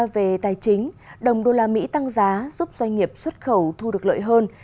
về tài chính đồng đô la mỹ tăng giá giúp doanh nghiệp xuất khẩu thu được lợi hơn